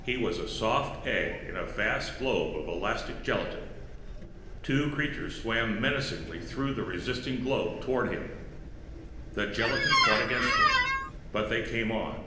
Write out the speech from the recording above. He was a soft egg in a vast globe of elastic gelatine. Two creatures swam menacingly through the resisting globe toward him. The gelatine fought against them, but they came on.